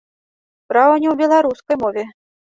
Справа не ў беларускай мове.